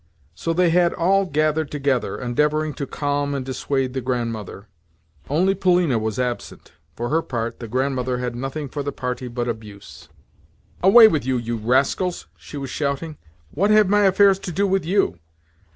So they had all gathered together—endeavouring to calm and dissuade the Grandmother. Only Polina was absent. For her part the Grandmother had nothing for the party but abuse. "Away with you, you rascals!" she was shouting. "What have my affairs to do with you?